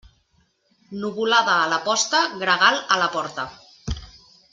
Nuvolada a la posta, gregal a la porta.